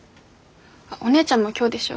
あっお姉ちゃんも今日でしょ？